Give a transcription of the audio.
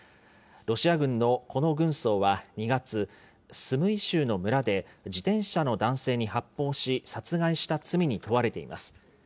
ロシア軍のこの軍曹は２月、スムイ州の村で、自転車の男性に発砲し、殺害した罪に問われています。